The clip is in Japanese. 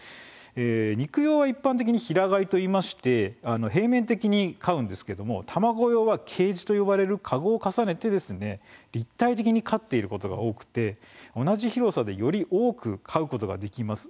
肉用は一般的に平飼いといいまして平面的に飼うんですが卵用はケージと呼ばれる籠を重ねて立体的に飼っていることが多くて同じ広さでより多く飼うことができます。